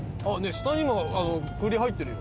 下にも栗入ってるよ。